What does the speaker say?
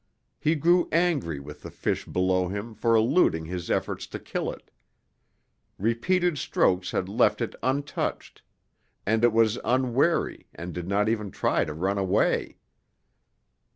He grew angry with the fish below him for eluding his efforts to kill it. Repeated strokes had left it untouched, and it was unwary, and did not even try to run away.